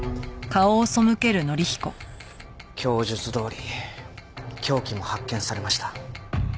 供述どおり凶器も発見されました。